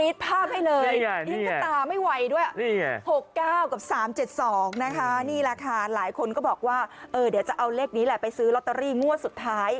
เดี๋ยวจะเอาเลขนี้แหละไปซื้อล็อตเตอรี่มื้อสุดท้าย